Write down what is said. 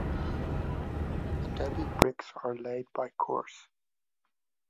Adobe bricks are laid by course.